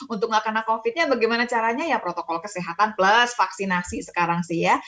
untuk gak kena covid nya bagaimana caranya ya protokol kesehatan plus vaksinasi sekarang sih ya